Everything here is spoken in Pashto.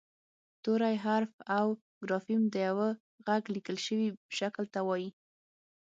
توری حرف او ګرافیم د یوه غږ لیکل شوي شکل ته وايي